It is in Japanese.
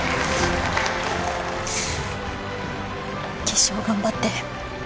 決勝頑張って。